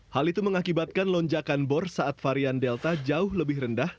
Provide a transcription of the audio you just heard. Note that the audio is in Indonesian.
hal itu mengakibatkan lonjakan bor saat varian delta jauh lebih rendah